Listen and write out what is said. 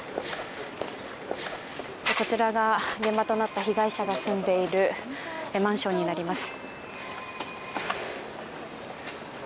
こちらが現場となった被害者が住んでいるマンションになります。